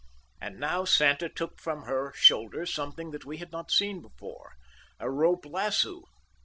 And now Santa shook from her shoulder something that we had not seen before—a rope lasso.